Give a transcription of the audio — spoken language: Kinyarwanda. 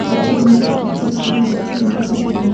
Abagabo bambaye ikabutura mugitondo bavugana